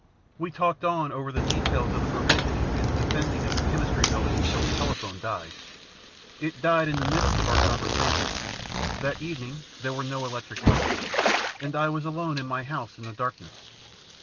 We talked on over the details of the provisioning and the defending of the Chemistry Building until the telephone died. It died in the midst of our conversation. That evening there were no electric lights, and I was alone in my house in the darkness.